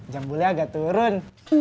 jambulnya agak turun